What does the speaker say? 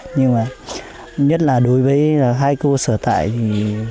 nhưng mà nhất là đối với hai cô sở tại thì